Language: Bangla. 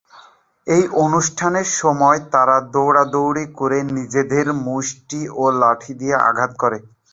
এই অনুষ্ঠানের সময় তারা দৌড়াদৌড়ি করে, নিজেদের মুষ্টি ও লাঠি দিয়ে আঘাত করে।